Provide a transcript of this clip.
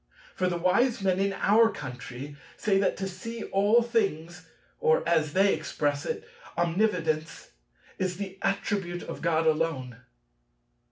For the wise men in our country say that to see all things, or as they express it, omnividence, is the attribute of God alone."